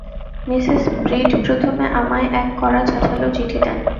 Mrs Breed প্রথমে আমায় এক কড়া ঝাঁঝালো চিঠি দেন।